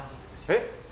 えっ？